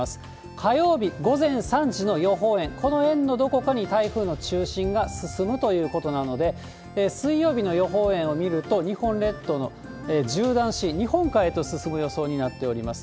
火曜日午前３時の予報円、この円のどこかに台風の中心が進むということなので、水曜日の予報円を見ると、日本列島を縦断し、日本海へと進む予想になっております。